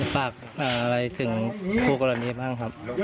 ปากอะไรถึงคู่กรณีบ้าง